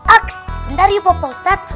aks bentar yuk opa ustadz